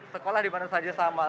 sekolah dimana saja sama